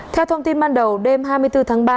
theo thông tin ban đầu đêm hai mươi bốn tháng ba